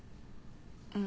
うん。